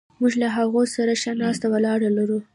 موږ له هغوی سره ښه ناسته ولاړه لرو.